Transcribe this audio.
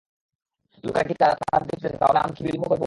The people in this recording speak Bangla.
লোকেরা তো তাঁর দিকে ছুটে যাচ্ছে, তা হলে আমরা কি বিলম্ব করব?